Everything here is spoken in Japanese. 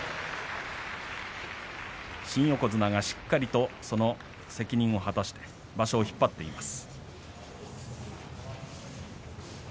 新横綱がしっかりとその責任を果たして場所を引っ張っています。